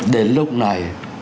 đến lúc này